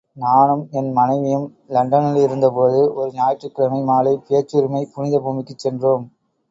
நானும் என் மனைவியும் இலண்டனிலிருந்தபோது, ஒரு ஞாயிற்றுக்கிழமை மாலை, பேச்சுரிமைப் புனித பூமிக்குச் சென்றோம்.